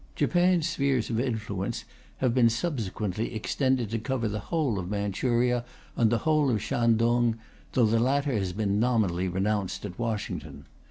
'" Japan's spheres of influence have been subsequently extended to cover the whole of Manchuria and the whole of Shantung though the latter has been nominally renounced at Washington.